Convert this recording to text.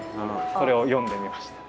それを詠んでみました。